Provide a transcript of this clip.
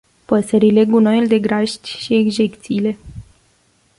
Păsările, gunoiul de grajd și ejecțiile.